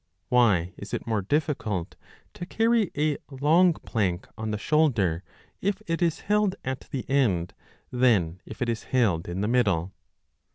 Why is it more difficult to carry a long plank on the shoulder if it is held at the end than if it is held in the middle?